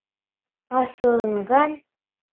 Аҫылынған?!